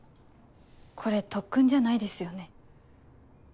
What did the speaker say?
これ特訓じゃないですよね。